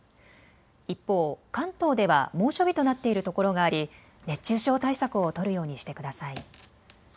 一方、関東では猛暑日となっているところがあり熱中症対策を取るようにしてください。